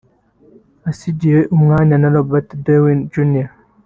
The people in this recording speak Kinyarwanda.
Asangiye umwanya na Robert Downey Jr